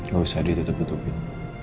gak usah ditutup tutupin